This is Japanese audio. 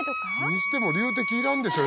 にしても龍笛いらんでしょ